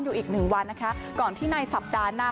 อยู่อีกหนึ่งวันนะคะก่อนที่ในสัปดาห์หน้า